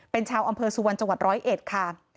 เป็นชาวอำเภอสุวรรณจร้อยเอชค่ะ